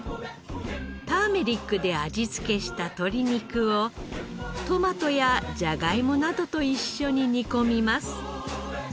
ターメリックで味付けした鶏肉をトマトやジャガイモなどと一緒に煮込みます。